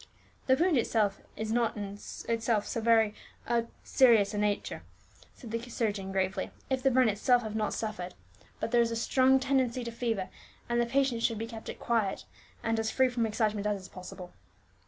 "The wound is not in itself of so very serious a character," said the surgeon gravely, "if the brain itself have not suffered. But there is a strong tendency to fever, and the patient should be kept as quiet and as free from excitement as is possible."